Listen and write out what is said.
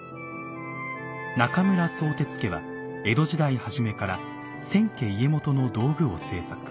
中村宗哲家は江戸時代初めから千家家元の道具を制作。